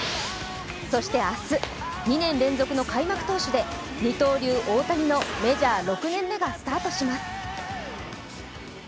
そして明日、２年連続の開幕投手で二刀流・大谷のメジャー６年目がスタートします。